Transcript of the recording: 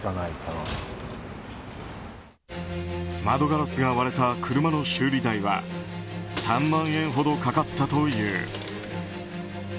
窓ガラスが割れた車の修理代は３万円ほどかかったという。